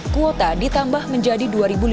kuota ditambah menjadi dua lima ratus